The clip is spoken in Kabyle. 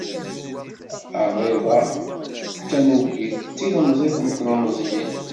Ariḍa d tanubit, d tilemẓit n telmeẓyin.